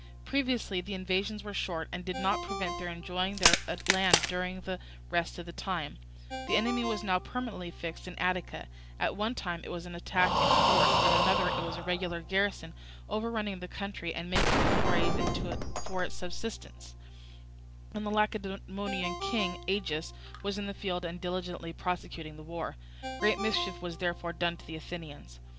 Previously the invasions were short, and did not prevent their enjoying their land during the rest of the time: the enemy was now permanently fixed in Attica; at one time it was an attack in force, at another it was the regular garrison overrunning the country and making forays for its subsistence, and the Lacedaemonian king, Agis, was in the field and diligently prosecuting the war; great mischief was therefore done to the Athenians.